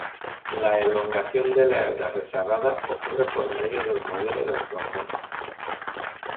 La elongación de la hebra rezagada ocurre por medio del modelo del trombón.